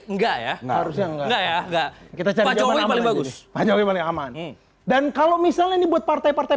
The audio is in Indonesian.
enggak ya harusnya enggak ya enggak kita sampai bagus dan kalau misalnya dibuat partai partai